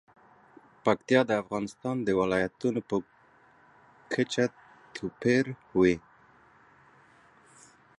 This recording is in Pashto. پکتیا د افغانستان د ولایاتو په کچه توپیر لري.